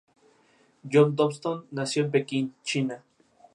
Está situado en el viejo ayuntamiento de esta ciudad.